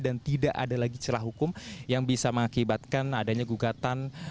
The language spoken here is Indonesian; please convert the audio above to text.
dan tidak ada lagi celah hukum yang bisa mengakibatkan adanya gugatan